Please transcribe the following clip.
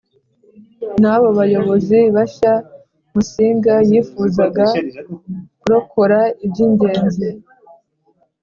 n abo bayobozi bashya Musinga yifuzaga kurokora iby ingenzi